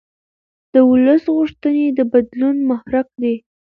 د ولس غوښتنې د بدلون محرک دي